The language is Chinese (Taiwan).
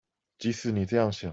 即使你這樣想